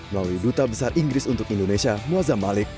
melalui duta besar inggris untuk indonesia muazzam malik